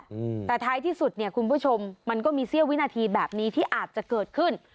อืมแต่ท้ายที่สุดเนี่ยคุณผู้ชมมันก็มีเสี้ยววินาทีแบบนี้ที่อาจจะเกิดขึ้น